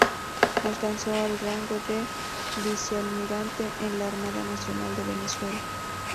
Alcanzó el rango de Vicealmirante en la Armada Nacional de Venezuela.